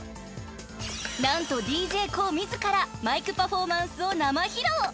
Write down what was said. ［何とＤＪＫＯＯ自らマイクパフォーマンスを生披露］